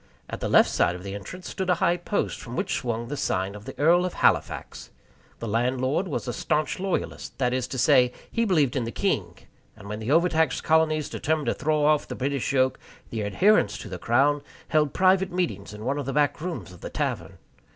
At the left side of the entrance stood a high post, from which swung the sign of the Earl of Halifax. The landlord was a stanch loyalist that is to say, he believed in the king, and when the overtaxed colonies determined to throw off the British yoke, the adherents to the Crown held private meetings in one of the back rooms of the tavern.